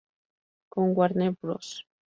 Con Warner Bros.